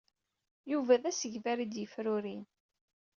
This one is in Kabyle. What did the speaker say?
Yuba d asegbar ay d-yefrurin.